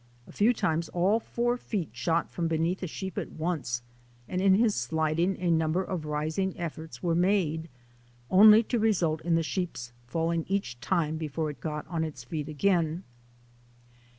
A few times all four feet shot from beneath a sheep at once, and in his sliding a number of rising efforts were made, only to result in the sheep's falling each time before it got on its feet again.